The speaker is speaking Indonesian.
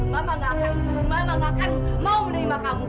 mama tidak akan menerima kamu